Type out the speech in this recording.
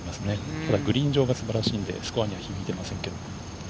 ただグリーン上が素晴らしいのでスコアには響いていません。